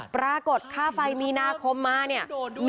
ปรากฏค่าไฟมีนาคมมาเนี่ย